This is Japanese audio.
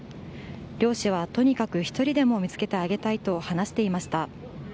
漁師は、とにかく１人でも見つけてあげたいと話していました。